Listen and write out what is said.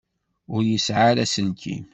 Ur yesɛi ara aselkim.